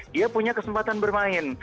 dia punya kesempatan bermain